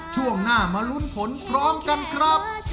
ช่วงหน้ามาลุ้นผลพร้อมกันครับ